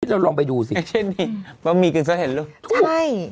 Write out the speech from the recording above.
เราลองไปดูสิใช่มั้ยบะหมี่กึ่งซะเห็นหรือใช่